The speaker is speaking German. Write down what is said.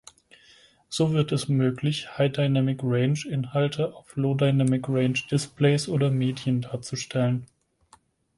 So wird es möglich "High Dynamic Range"-Inhalte auf "Low Dynamic Range"-Displays oder Medien darzustellen.